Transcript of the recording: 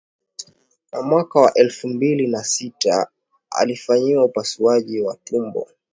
Na mwaka wa elfu mbili na sita alifanyiwa upasuaji wa tumbo